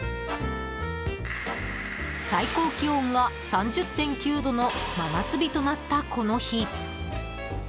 最高気温が３０．９度の真夏日となったこの日。